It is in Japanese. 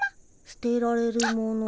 捨てられるもの。